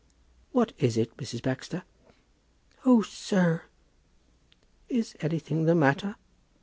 "What is it, Mrs. Baxter?" "Oh, sir!" "Is anything the matter?"